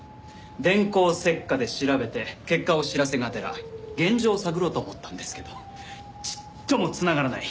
電光石火で調べて結果を知らせがてら現状を探ろうと思ったんですけどちっとも繋がらない。